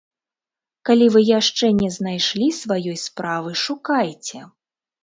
Калі вы яшчэ не знайшлі сваёй справы, шукайце.